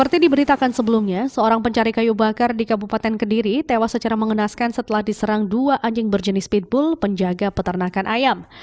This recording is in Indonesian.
tidak ada yang mencari tewas secara mengenaskan setelah diserang dua anjing berjenis pitbull penjaga peternakan ayam